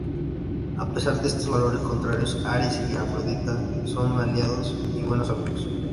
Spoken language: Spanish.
A pesar de estos valores contrarios, Ares y Afrodita son aliados y buenos amigos.